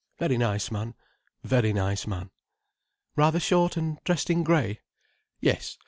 Very nice man. Very nice man." "Rather short and dressed in grey?" "Yes.